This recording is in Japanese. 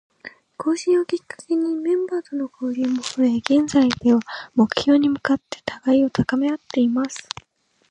更新をきっかけにメンバーとの交流も増え、現在では、目標に向かって互いに高めあっています。